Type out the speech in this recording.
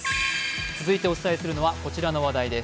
続いてお伝えするのはこちらのは話題です。